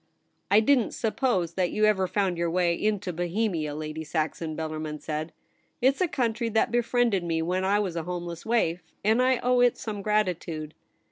' I didn't suppose that you ever found your 'IF YOU WERE QUEEN.' 97 way into Bohemia, Lady Saxon,' Bellarmin said. 'It's a country that befriended me when I was a homeless waif, and I owe it some gratitude.